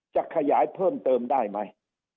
จะขยายเพิ่มเติมได้ไหม